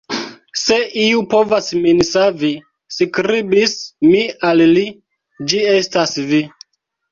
"Se iu povas min savi, skribis mi al li, ĝi estas vi."